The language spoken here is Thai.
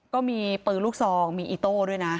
ก็มีปืนลูกซองมีอิโต้ด้วยนะ